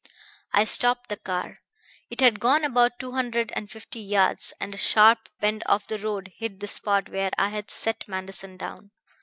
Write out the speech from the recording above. "I stopped the car. It had gone about two hundred and fifty yards, and a sharp bend of the road hid the spot where I had set Manderson down.